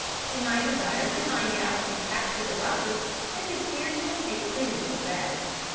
In my desire to find out and capture the robbers, I could scarcely take food or rest.